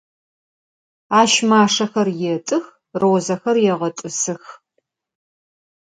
Aş maşşexer yêt'ıx, rozexer yêğet'ısıx.